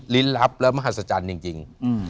ลับและมหัศจรรย์จริง